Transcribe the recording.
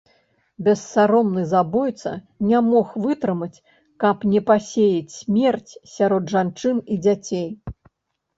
Бессаромны забойца не мог вытрымаць, каб не пасеяць смерць сярод жанчын і дзяцей.